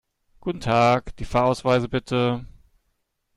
Guten Tag, die Fahrausweise bitte!